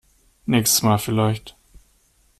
Nächstes Mal vielleicht.